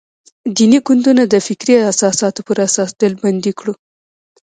دیني ګوندونه د فکري اساساتو پر اساس ډلبندي کړو.